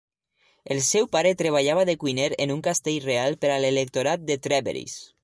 El seu pare treballava de cuiner en un castell real per a l'electorat de Trèveris.